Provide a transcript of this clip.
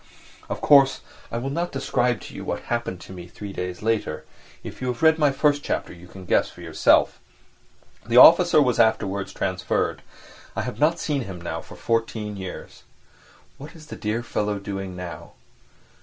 Of course, I will not describe to you what happened to me three days later; if you have read my first chapter you can guess for yourself. The officer was afterwards transferred; I have not seen him now for fourteen years. What is the dear fellow doing now?